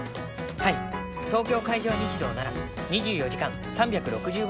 はい東京海上日動なら２４時間３６５日の事故受付。